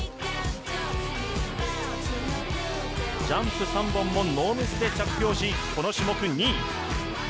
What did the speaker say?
ジャンプ３本をノーミスで着氷しこの種目２位。